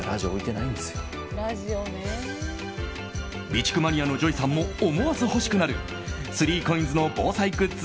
備蓄マニアのＪＯＹさんも思わず欲しくなる３ＣＯＩＮＳの防災グッズ